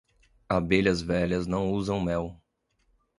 Abelhas velhas não usam mel.